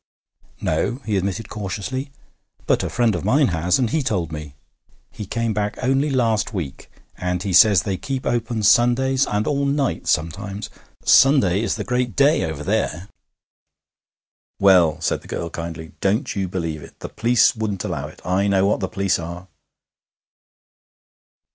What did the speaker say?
'No,' he admitted cautiously; 'but a friend of mine has, and he told me. He came back only last week, and he says they keep open Sundays, and all night sometimes. Sunday is the great day over there.' 'Well,' said the girl kindly, 'don't you believe it. The police wouldn't allow it. I know what the police are.'